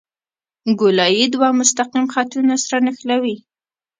ګولایي دوه مستقیم خطونه سره نښلوي